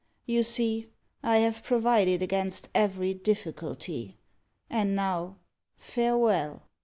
You see I have provided against every difficulty. And now, farewell!"